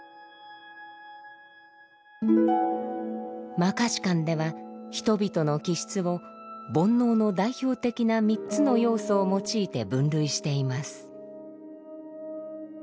「摩訶止観」では人々の気質を煩悩の代表的な３つの要素を用いて分類しています。